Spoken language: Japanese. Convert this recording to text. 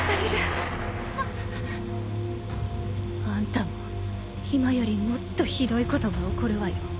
あんたも今よりもっとひどいことが起こるわよ。